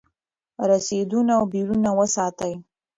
رسیدونه او بیلونه وساتئ.